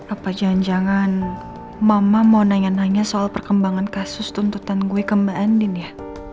apa jangan jangan mama mau nanya nanya soal perkembangan kasus tuntutan gue ke mbak andin ya